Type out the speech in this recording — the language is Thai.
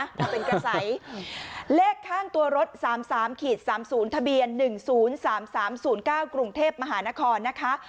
มาเป็นกระใสเลขข้างตัวรถ๓๓๓๐ทะเบียน๑๐๓๓๐๙กรุงเทพมหานครนะคะ